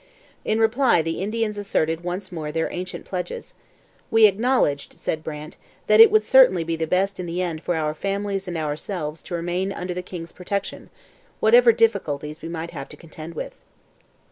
In reply the Indians asserted once more their ancient pledges. 'We acknowledged,' said Brant, 'that it would certainly be the best in the end for our families and ourselves to remain under the King's protection, whatever difficulties we might have to contend with.'